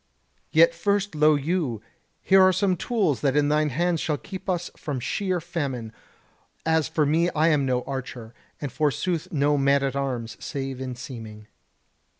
Yet first lo you, here are some tools that in thine hands shall keep us from sheer famine: as for me I am no archer; and forsooth no man at arms save in seeming."